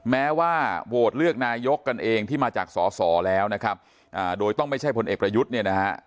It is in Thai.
แม้ว่าโหวตเลือกนายกกันเองที่มาจากสอสอแล้วนะครับโดยต้องไม่ใช่พลเอกประยุทธ์เนี่ยนะฮะ